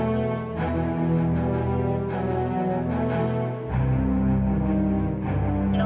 gak ada lagi